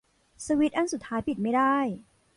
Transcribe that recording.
สวิตซ์อันสุดท้ายปิดไม่ได้